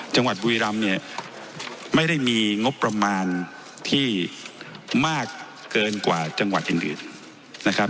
จังหวัดบุรีรำเนี่ยไม่ได้มีงบประมาณที่มากเกินกว่าจังหวัดอื่นนะครับ